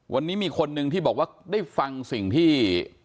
วันนี้มีคนนึงที่บอกว่าได้ฟังสิ่งที่